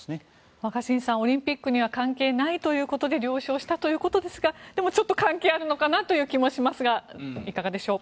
若新さんオリンピックには関係ないということで了承したということですがでもちょっと関係あるという気もするんですがいかがでしょうか。